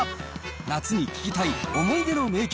夏に聴きたい思い出の名曲